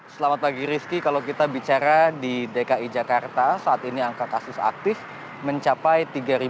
selamat pagi rizky kalau kita bicara di dki jakarta saat ini angka kasus aktif mencapai tiga dua ratus delapan puluh dua